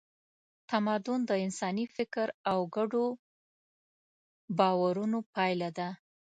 تمدن د انساني فکر او ګډو باورونو پایله ده.